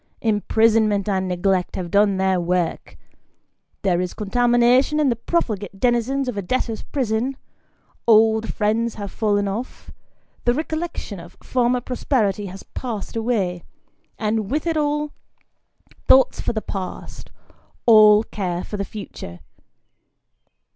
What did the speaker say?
Imprisonment and neglect have done their work. There is contamination in the profligate denizens of a debtors' prison ; old friends have fallen off ; 134 Sketches by Bos. the recollection of former prosperity has passed away ; and with it all thoughts for the past, all care for the future.